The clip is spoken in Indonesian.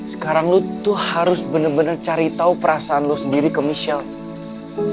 sekarang lo tuh harus bener bener cari tahu perasaan lo sendiri ke michelle